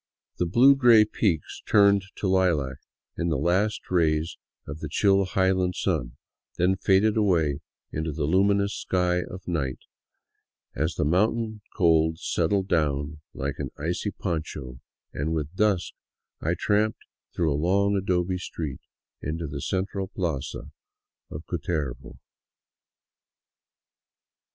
The blue gray peaks turned to lilac in the last rays of the chill highland sun, then faded away into the luminous sky of night as the mountain cold settled down like an icy poncho, and with dusk I tramped through a long adobe street into the central plaza of Cutervo.